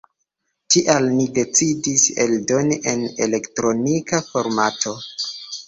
Tial ni decidis eldoni en elektronika formato.